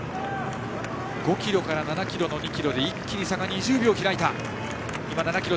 ５ｋｍから７ｋｍの２ｋｍで一気に差が２０秒開いた。